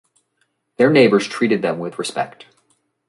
Their neighbors treated them with respect.